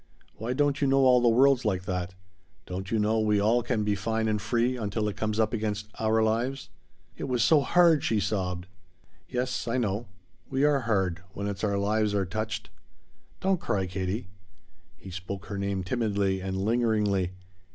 "Why don't you know all the world's like that? Don't you know we all can be fine and free until it comes up against our lives?" "I was so hard!" she sobbed. "Yes I know. We are hard when it's our lives are touched. Don't cry, Katie." He spoke her name timidly and lingeringly.